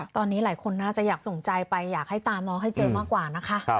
ตอนนี้หลายคนน่าจะอยากส่งใจไปอยากให้ตามน้องให้เจอมากกว่านะคะ